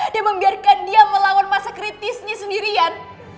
dan membiarkan dia melawan masa kritisnya sendirian